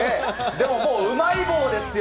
でももう、うまい棒ですよ。